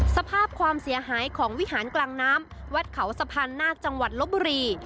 สภาพความเสียหายของวิหารกลางน้ำวัดเขาสะพานนาคจังหวัดลบบุรี